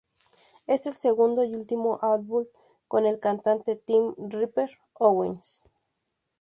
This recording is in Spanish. Es el segundo y último álbum con el cantante Tim "Ripper" Owens.